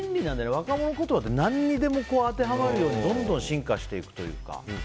若者言葉って何にでも当てはまるように進化していくというか。